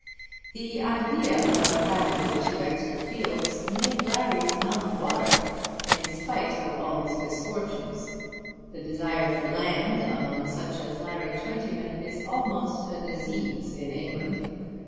The idea of having the two extra fields made Larry's mouth water, in spite of all his misfortunes. The desire for land among such as Larry Twentyman is almost a disease in England.